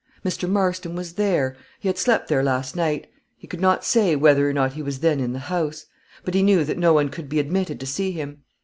Mr. Marston was there he had slept there last night; he could not say whether or not he was then in the house; but he knew that no one could be admitted to see him.